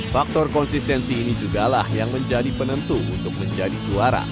faktor konsistensi ini juga lah yang menjadi penentu untuk menjadi juara